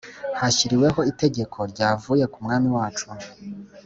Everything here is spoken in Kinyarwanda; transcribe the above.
hashyiriweho itegeko ryavuye ku mwami wacu